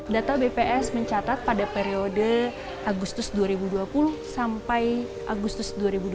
data bps mencatat pada periode agustus dua ribu dua puluh sampai agustus dua ribu dua puluh